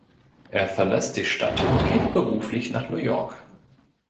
Er verlässt die Stadt und geht beruflich nach New York.